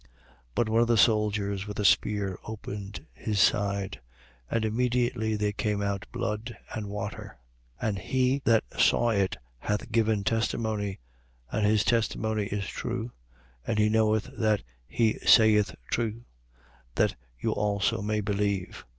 19:34. But one of the soldiers with a spear opened his side: and immediately there came out blood and water. 19:35. And he that saw it hath given testimony: and his testimony is true. And he knoweth that he saith true: that you also may believe.